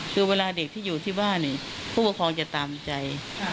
คือเวลาเด็กที่อยู่ที่บ้านผู้ปกครองจะตามใจ